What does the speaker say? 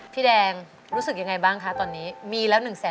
พี่แดงรู้สึกยังไงบ้างครับตอนนี้